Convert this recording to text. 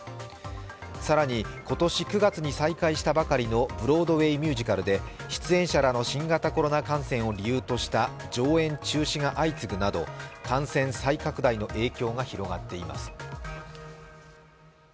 更に、今年９月に再開したばかりのブロードウェイミュージカルで出演者らの新型コロナ感染を理由とした上演中止が相次ぐなど感染再拡大の影響が広がっています。